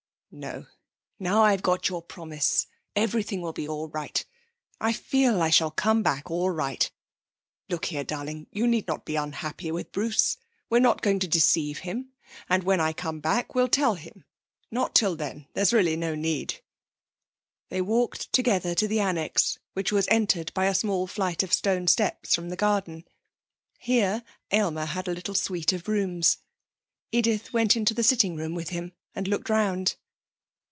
'No, now I've got your promise everything will be all right.... I feel I shall come back all right.... Look here, darling, you need not be unhappy with Bruce. We're not going to deceive him. And when I come back, we'll tell him. Not till then. There is really no need.' They walked together to the Annexe, which was entered by a small flight of stone steps from the garden. Here Aylmer had a little suite of rooms. Edith went into the sitting room with him and looked round.